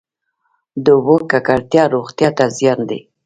د اوبو ککړتیا روغتیا ته زیان دی.